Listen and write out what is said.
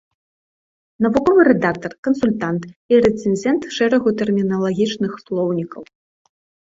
Навуковы рэдактар, кансультант і рэцэнзент шэрагу тэрміналагічных слоўнікаў.